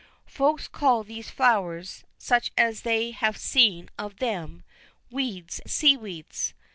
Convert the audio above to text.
Folks call these flowers, such as they have seen of them, weeds, seaweeds.